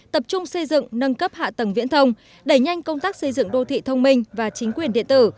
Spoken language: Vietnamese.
tập trung xây dựng nâng cấp hạ tầng viễn thông đẩy nhanh công tác xây dựng đô thị thông minh và chính quyền điện tử